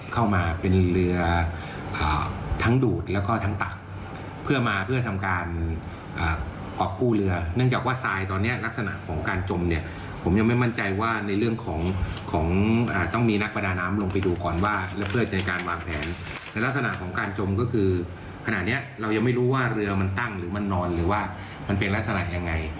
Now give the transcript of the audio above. คือขนาดนี้เรายังไม่รู้ว่าเรือมันตั้งหรือมันนอนหรือว่ามันเป็นลักษณะยังไง